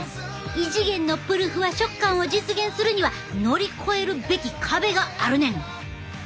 異次元のぷるふわ食感を実現するには乗り越えるべき壁があるねん！